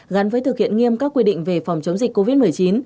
gắn với thực hiện nghiêm các quy định về phòng chống dịch covid một mươi chín